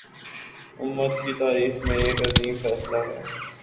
امت کی تاریخ میں ایک عظیم فیصلہ ہے